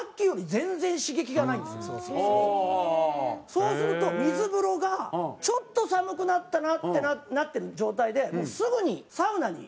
そうすると水風呂がちょっと寒くなったなってなってる状態でもうすぐにサウナに。